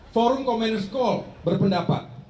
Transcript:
forum komunis kol berpendapat